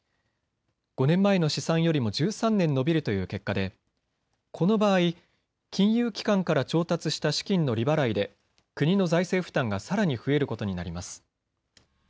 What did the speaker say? ５年前の試算よりも１３年延びるという結果でこの場合、金融機関から調達した資金の利払いで国の財政負担がさらに増えることになります。